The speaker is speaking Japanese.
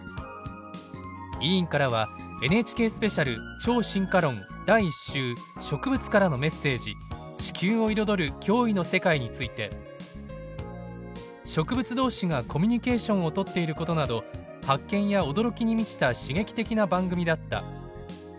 委員からはＮＨＫスペシャル超・進化論第１集「植物からのメッセージ地球を彩る驚異の世界」について「植物同士がコミュニケーションをとっていることなど発見や驚きに満ちた刺激的な番組だった」